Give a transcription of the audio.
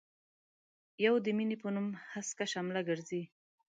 يو د مينې په نوم هسکه شمله ګرزي.